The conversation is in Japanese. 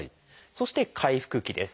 そして「回復期」です。